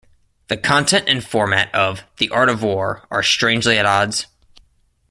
The content and format of "The Art of War" are strangely at odds.